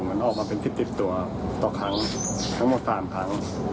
มันออกมาเป็น๑๐ตัวต่อครั้งทั้งหมด๓ครั้ง